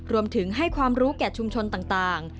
รวมถึงให้ความรู้แก่ชุมชนต่าง